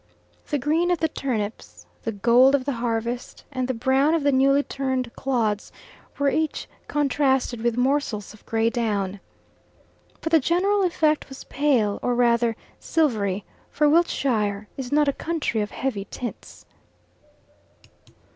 The green of the turnips, the gold of the harvest, and the brown of the newly turned clods, were each contrasted with morsels of grey down. But the general effect was pale, or rather silvery, for Wiltshire is not a county of heavy tints.